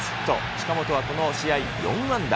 近本はこの試合、４安打。